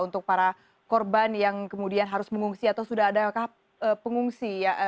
untuk para korban yang kemudian harus mengungsi atau sudah ada pengungsi